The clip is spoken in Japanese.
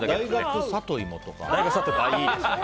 いいですね。